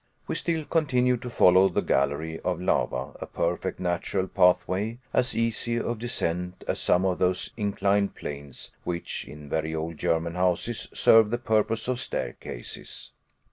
We still continued to follow the gallery of lava, a perfect natural pathway, as easy of descent as some of those inclined planes which, in very old German houses, serve the purpose of staircases.